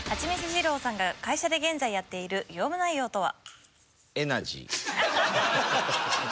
二郎さんが会社で現在やっている業務内容とは？